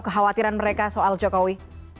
kekhawatiran mereka soal jokowi